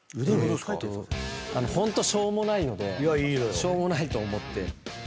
ホントしょうもないのでしょうもないと思って。